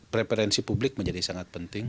preferensi publik menjadi sangat penting